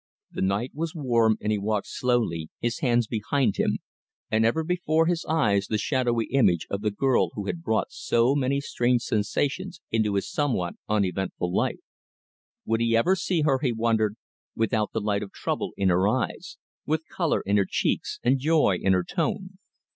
The night was warm, and he walked slowly, his hands behind him, and ever before his eyes the shadowy image of the girl who had brought so many strange sensations into his somewhat uneventful life. Would he ever see her, he wondered, without the light of trouble in her eyes, with colour in her cheeks, and joy in her tone?